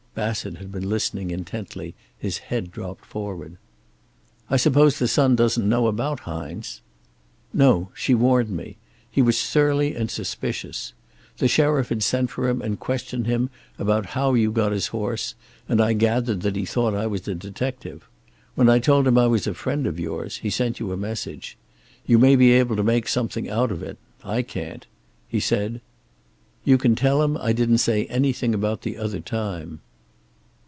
Bassett had been listening intently, his head dropped forward. "I suppose the son doesn't know about Hines?" "No. She warned me. He was surly and suspicious. The sheriff had sent for him and questioned him about how you got his horse, and I gathered that he thought I was a detective. When I told him I was a friend of yours, he sent you a message. You may be able to make something out of it. I can't. He said: `You can tell him I didn't say anything about the other time.'"